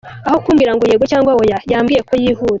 Aho kumbwira ngo yego cyangwa oya yambwiye ko yihuta.